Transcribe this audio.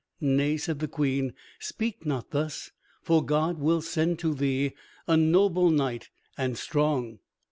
"Nay," said the Queen, "Speak not thus, for God will send to thee a noble knight and strong."